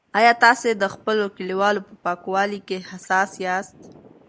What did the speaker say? ایا تاسي د خپلو کالیو په پاکوالي کې حساس یاست؟